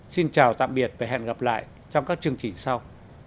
xin chào tạm biệt và hẹn gặp lại trong các chương trình sau